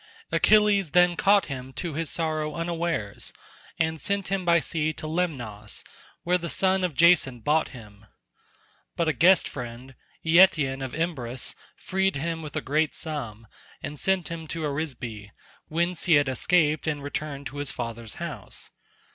Achilles then caught him to his sorrow unawares, and sent him by sea to Lemnos, where the son of Jason bought him. But a guest friend, Eetion of Imbros, freed him with a great sum, and sent him to Arisbe, whence he had escaped and returned to his father's house.